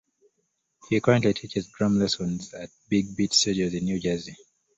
He currently teaches drum lessons at Big Beat Studios in New Jersey.